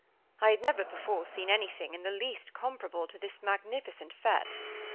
I had never seen before anything in the least comparable to this magnificent _fete.